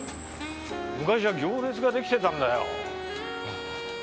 昔は行列が出来てたんだよ。